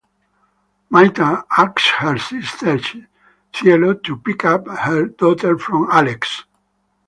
Maita asks her sister Cielo to pick up her daughter from Alex.